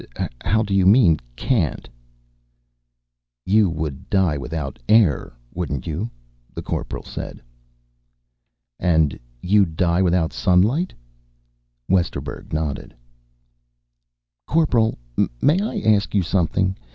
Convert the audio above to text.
How do you mean, 'can't'?" "You would die without air, wouldn't you?" the Corporal said. "And you'd die without sunlight?" Westerburg nodded. "Corporal, may I ask you something?